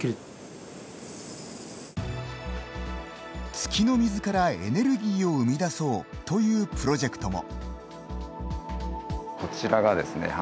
月の水からエネルギーを生み出そうというプロジェクトも。